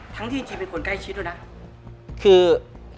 ทั้งที่จริงเป็นคนใกล้ชิดดูนะ